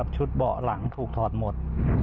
เบาะหลังถูกถอดหมด